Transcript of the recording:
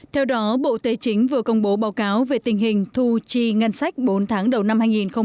theo đó bộ tài chính vừa công bố báo cáo về tình hình thu tri ngân sách bốn tháng đầu năm hai nghìn một mươi tám